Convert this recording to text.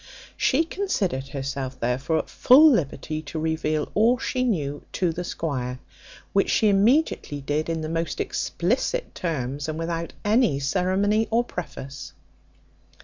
She considered herself, therefore, at full liberty to reveal all she knew to the squire, which she immediately did in the most explicit terms, and without any ceremony or preface.